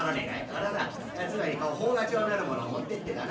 あらあなつまり奉加帳なるものを持ってってだな